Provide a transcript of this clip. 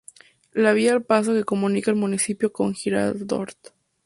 La vía al Paso que comunica al municipio con Girardot.